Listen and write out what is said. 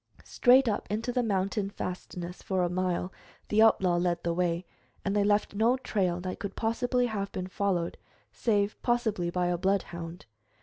Straight up into the mountain fastness, for a mile, the outlaw led the way, and they left no trail that could possibly have been followed save possibly by a bloodhound.